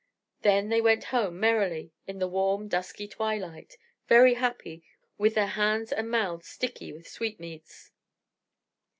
Then they went home merrily in the warm, dusky twilight, very happy, with their hands and mouths sticky with sweetmeats.